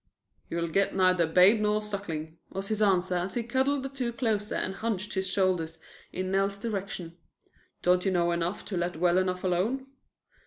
"You'll get neither Babe nor Suckling," was his answer as he cuddled the two closer and hunched his shoulders in Nell's direction. "Don't you know enough to let well enough alone?